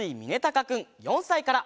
かくん４さいから。